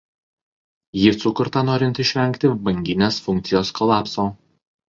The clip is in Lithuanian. Ji sukurta norint išvengti banginės funkcijos kolapso.